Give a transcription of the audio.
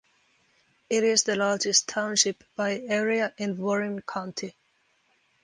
It is the largest township by area in Warren County.